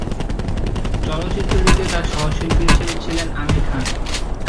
চলচ্চিত্রটিতে তার সহশিল্পী ছিলেন আমিন খান।